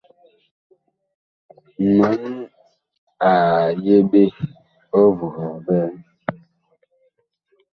Mɔɔn a yeɓe ɔvuha vɛɛ.